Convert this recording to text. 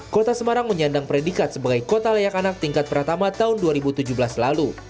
kota semarang menyandang predikat sebagai kota layak anak tingkat pertama tahun dua ribu tujuh belas lalu